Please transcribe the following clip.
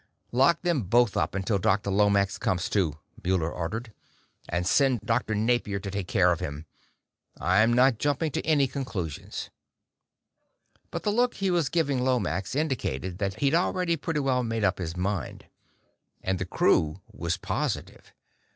"Lock them both up, until Dr. Lomax comes to," Muller ordered. "And send Dr. Napier to take care of him. I'm not jumping to any conclusions." But the look he was giving Lomax indicated that he'd already pretty well made up his mind. And the crew was positive.